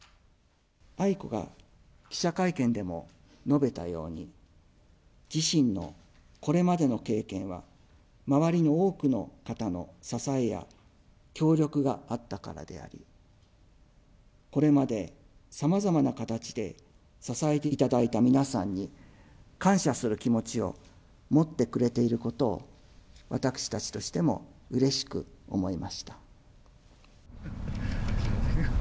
愛子が記者会見でも述べたように、自身のこれまでの経験は周りの多くの方の支えや協力があったからであり、これまでさまざまな形で支えていただいた皆さんに感謝する気持ちを持ってくれていることを、私たちとしてもうれしく思いました。